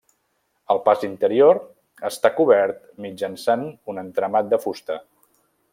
El pas interior està cobert mitjançant un entramat de fusta.